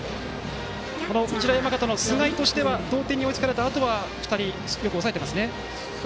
日大山形の菅井としては同点に追いつかれたあとは２人よく抑えてますね。